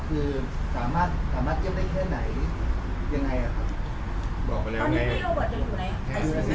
คือสามารถสามารถเชี่ยมได้แค่ไหนยังไงอ่ะครับบอกมาแล้วไง